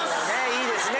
いいですね。